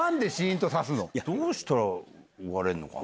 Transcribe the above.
どうしたら終われんのかな。